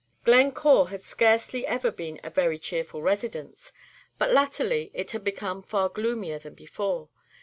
Glencore had scarcely ever been a very cheery residence, but latterly it had become far gloomier than before.